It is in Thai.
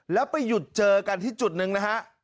แล้วไปหยุดเจอกันที่จุดหนึ่งนะฮะ